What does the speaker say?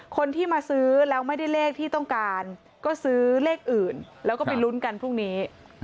คนที่มาซื้อแล้วไม่ได้เลขที่ต้องการก็ซื้อเลขอื่นแล้วก็ไปลุ้นกันพรุ่งนี้